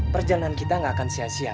perjalanan kita nggak akan sia sia